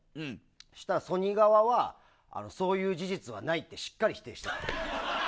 そしたらソニー側はそういう事実はないってしっかり否定した。